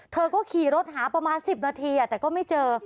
เธอก็ขี่รถหาประมาณ๑๐นาทีแต่ก็ไม่เจอ